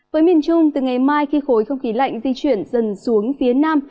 với miền trung từ ngày mai khi khối không khí lạnh di chuyển dần xuống phía nam